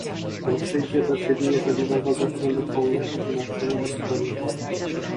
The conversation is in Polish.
"On przyjdzie do siebie, jeżeli mu rozepniemy kołnierzyk i natrzemy mu skronie wodą."